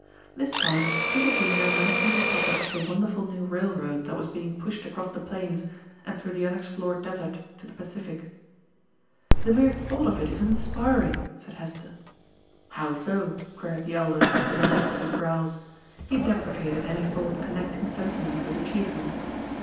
This time Peter Junior mentioned the topic of the wonderful new railroad that was being pushed across the plains and through the unexplored desert to the Pacific. "The mere thought of it is inspiring," said Hester. "How so?" queried the Elder, with a lift of his brows. He deprecated any thought connecting sentiment with achievement.